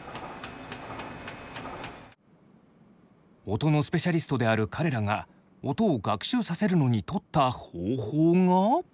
音のスペシャリストである彼らが音を学習させるのにとった方法が？